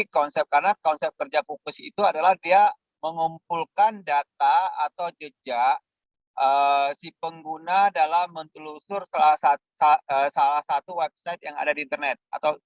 karena konsep kerja cookies itu adalah mengumpulkan data atau jejak si pengguna dalam mentelusur salah satu website yang ada di internet